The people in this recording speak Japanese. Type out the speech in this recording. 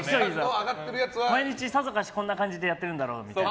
毎日さぞかしこんな感じでやってるんだろうみたいな。